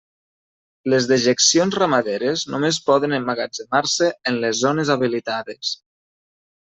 Les dejeccions ramaderes només poden emmagatzemar-se en les zones habilitades.